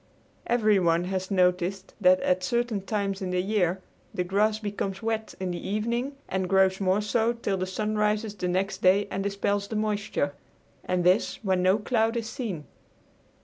Everyone has noticed that at certain times in the year the grass becomes wet in the evening and grows more so till the sun rises the next day and dispels the moisture, and this when no cloud is seen.